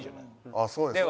あっそうですか？